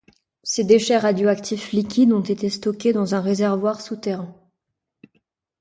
Ces déchets radioactifs liquides ont été stockés dans un réservoir souterrain.